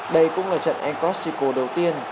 đây cũng là trận el clasico đầu tiên